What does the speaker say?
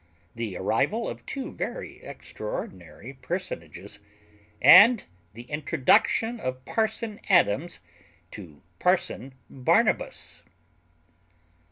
The arrival of two very extraordinary personages, and the introduction of parson Adams to parson Barnabas.